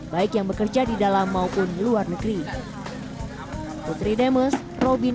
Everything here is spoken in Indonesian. baik yang bekerja di dalam maupun luar negeri